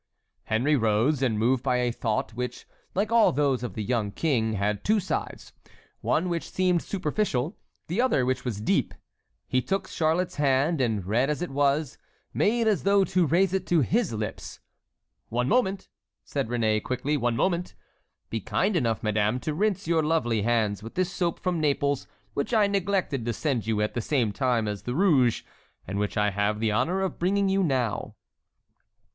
Henry rose, and moved by a thought which, like all those of the young king, had two sides, one which seemed superficial, the other which was deep, he took Charlotte's hand and red as it was, made as though to raise it to his lips. "One moment," said Réné, quickly, "one moment! Be kind enough, madame, to rinse your lovely hands with this soap from Naples which I neglected to send you at the same time as the rouge, and which I have the honor of bringing you now."